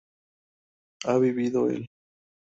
¿ha vivido él?